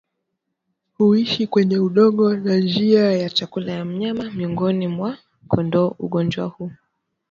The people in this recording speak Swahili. huishi kwenye udongo na njia ya chakula ya mnyama Miongoni mwa kondoo ugonjwa huu